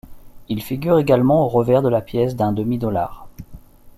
Il figure également au revers de la pièce d'un demi dollar.